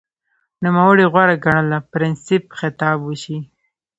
نوموړي غوره ګڼله پرنسېپ خطاب وشي